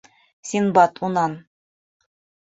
Синдбад унан: